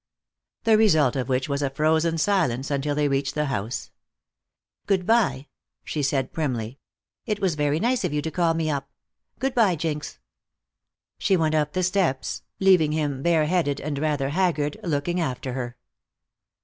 The result of which was a frozen silence until they reached the house. "Good by," she said primly. "It was very nice of you to call me up. Good by, Jinx." She went up the steps, leaving him bare headed and rather haggard, looking after her.